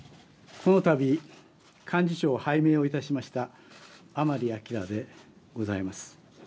このたび幹事長を拝命いたしました甘利明でございます。